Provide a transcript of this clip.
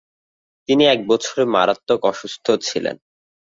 তিনি এক বছর মারাত্মক অসুস্থ ছিলেন।